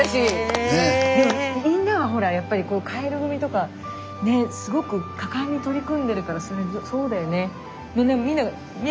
でもみんなはほらやっぱりこうかえる組とかねすごく果敢に取り組んでるからそうだよね。